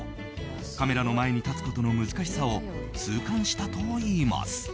カメラの前に立つことの難しさを痛感したといいます。